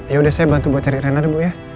yaudah saya bantu buat cari rena dulu ya